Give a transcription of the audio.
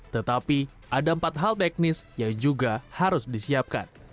tetapi ada empat hal teknis yang juga harus disiapkan